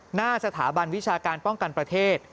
หน้าสถาบันวิชาการป้องกันประเทศ